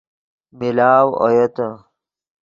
ملاؤ اویتے